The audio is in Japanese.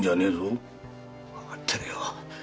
わかってるよ。